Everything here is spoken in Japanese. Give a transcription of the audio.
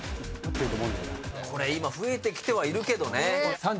これ今増えてきてはいるけどね。